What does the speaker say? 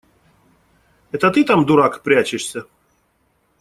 Это ты там, дурак, прячешься?